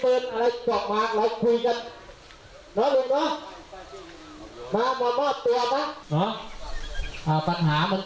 เราก็แก้กันด้วยศัลจีนนะครับ